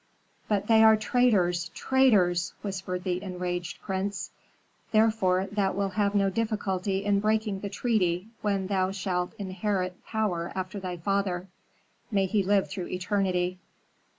"But they are traitors, traitors!" whispered the enraged prince. "Therefore thou wilt have no difficulty in breaking the treaty when thou shalt inherit power after thy father, may he live through eternity!"